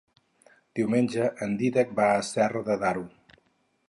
Diumenge en Dídac va a Serra de Daró.